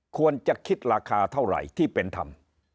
ควรจะคิดราคาเท่าไหร่ที่เป็นธรรม